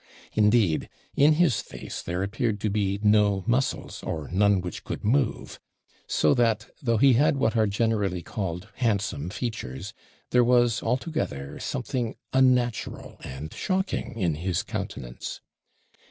Indeed, in his face there appeared to be no muscles, or none which could move; so that, though he had what are generally called handsome features, there was, all together, something unnatural and shocking in his countenance.